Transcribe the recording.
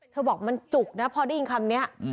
บอกมันจุกนะพอได้ยินคำนี้